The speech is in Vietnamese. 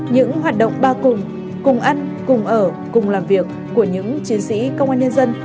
những hoạt động ba cùng cùng ăn cùng ở cùng làm việc của những chiến sĩ công an nhân dân